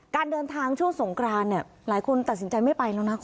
การเดินทางช่วงสงกรานเนี่ยหลายคนตัดสินใจไม่ไปแล้วนะคุณ